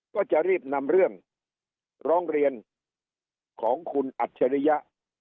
ก็จะรีบนำเรื่องร้องเรียนของคุณอัจฉริยะ